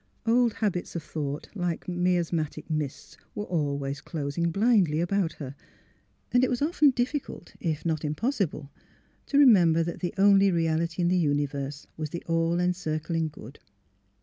Old habits of thought, like miasmatic mists, were always clos ing blindly about her; and it was often difficult, if not impossible, to remember that the only reality in the universe was the All Encircling Good.